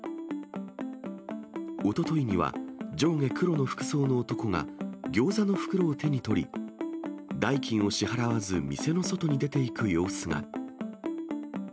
おとといには、上下黒の服装の男が、ギョーザの袋を手に取り、代金を支払わず、店の外に出ていく様子が。